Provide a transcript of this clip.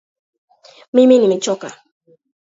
Mimi nimechoka